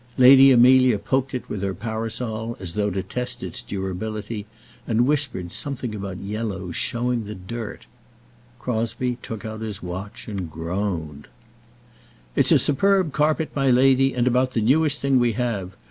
Lady Amelia poked it with her parasol as though to test its durability, and whispered something about yellows showing the dirt. Crosbie took out his watch and groaned. [ILLUSTRATION: "That might do."] "It's a superb carpet, my lady, and about the newest thing we have.